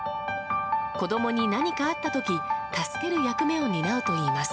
子供に何かあった時助ける役目を担うといいます。